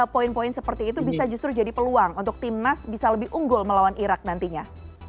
poin poin seperti itu bisa justru jadi peluang untuk timnas bisa lebih unggul melawan irak nantinya